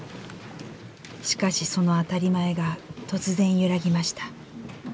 しかしその当たり前が突然揺らぎました。